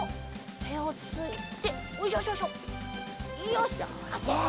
てをついてよいしょしょしょよし！